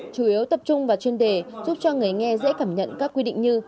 chủ yếu tập trung vào chuyên đề giúp cho người nghe dễ cảm nhận các quy định như